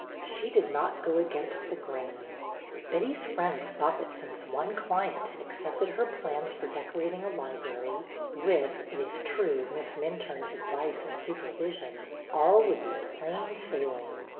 She did not go against the grain. Betty's friends thought that since one client had accepted her plans for decorating a library — with, it is true. Miss Minturne's advice and supervision — all would be plain sailing.